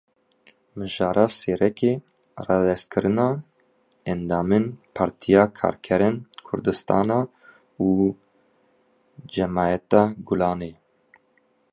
Mijara sereke radestkirina endamên Partiya Karkerên Kurdistanê û Cemaeta Gulen e.